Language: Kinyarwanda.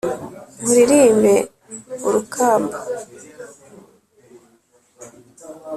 nkuririmbe urukamba }l